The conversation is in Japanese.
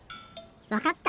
わかった！